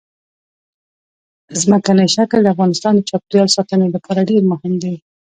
ځمکنی شکل د افغانستان د چاپیریال ساتنې لپاره ډېر مهم دي.